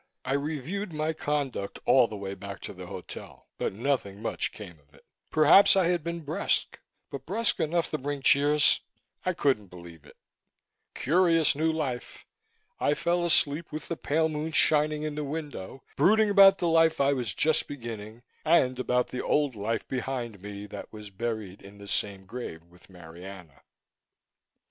I reviewed my conduct all the way back to the hotel, but nothing much came of it. Perhaps I had been brusque but brusque enough to bring tears? I couldn't believe it. Curious new life! I fell asleep with the pale moon shining in the window, brooding about the life I was just beginning, and about the old life behind me that was buried in the same grave with Marianna.